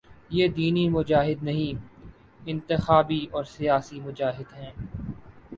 یہ دینی مجاہد نہیں، انتخابی اور سیاسی مجاہد ہیں۔